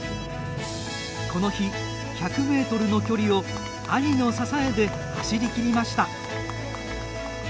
この日、１００ｍの距離を兄の支えで走りきりました。